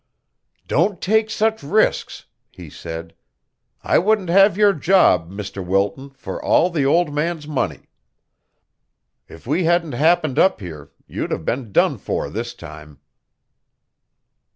"Don't take such risks," he said. "I wouldn't have your job, Mr. Wilton, for all the old man's money. If we hadn't happened up here, you'd have been done for this time."